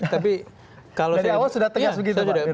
dari awal sudah tegas begitu pak